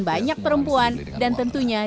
banyak perempuan dan tentunya